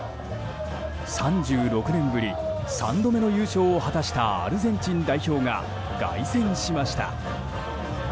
３６年ぶり３度目の優勝を果たしたアルゼンチン代表が凱旋しました。